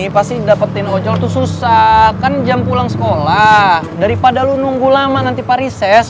padahal lu nunggu lama nanti parises